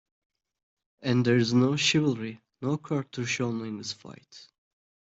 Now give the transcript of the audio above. And there's no chivalry, no quarter shown in this fight.